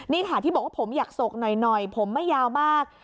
นี่ค่ะที่บอกว่าผมอยากโศกหน่อยผมไม่ยาวมาก